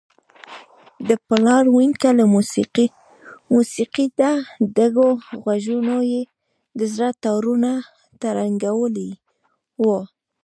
د پلار ونیکه له موسیقیته ډکو غږونو یې د زړه تارونه ترنګولي وو.